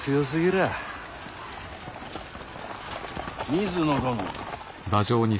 水野殿。